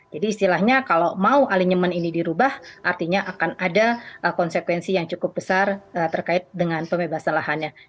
jadi istilahnya kalau mau alinyemen ini dirubah artinya akan ada konsekuensi yang cukup besar terkait dengan pembebasan lahannya